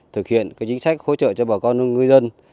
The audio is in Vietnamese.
thực hiện chính sách hỗ trợ cho bà con ngư dân